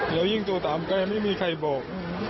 แล้วยิ่งตัวตามก็ยังไม่มีใครบอก